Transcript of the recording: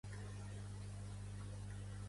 Aquesta fou la primera feina de Hill a la televisió.